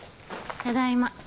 ただいま。